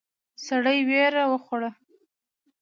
سړی وېره وخوړه.